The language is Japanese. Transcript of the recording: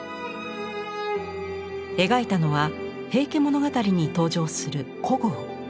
描いたのは平家物語に登場する小督。